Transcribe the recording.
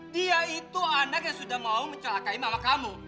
dia itu anak yang sudah mau mencelakai mama kamu